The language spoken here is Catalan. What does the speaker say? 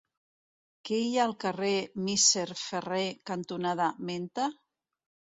Què hi ha al carrer Misser Ferrer cantonada Menta?